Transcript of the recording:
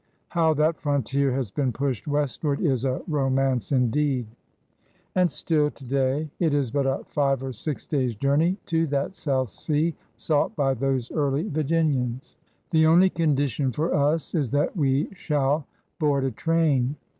How that frontier has been pushed westward is a romance indeed. And JAMESTOWN SI still, today, it is but a five or six days' journey to that South Sea sought by those early Virginians. The only condition for us is that we shall board a train.